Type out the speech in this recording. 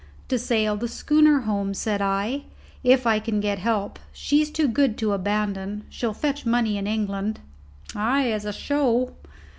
"To sail the schooner home," said I, "if I can get help. She's too good to abandon. She'll fetch money in England." "Ay, as a show."